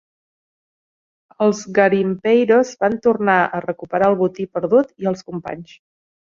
Els garimpeiros van tornar a recuperar el botí perdut i els companys.